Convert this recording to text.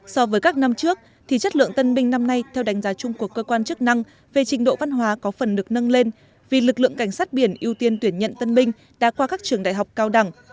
so với các năm trước thì chất lượng tân binh năm nay theo đánh giá chung của cơ quan chức năng về trình độ văn hóa có phần được nâng lên vì lực lượng cảnh sát biển ưu tiên tuyển nhận tân binh đã qua các trường đại học cao đẳng